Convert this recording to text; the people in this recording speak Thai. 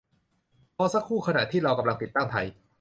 รอสักครู่ขณะที่เรากำลังติดตั้งไทย